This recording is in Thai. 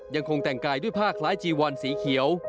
ยังคงแต่งกายด้วยผ้าคล้ายจีวอนสีเขียว